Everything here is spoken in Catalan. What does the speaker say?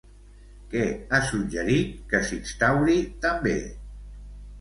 Què ha suggerit que s'instauri també?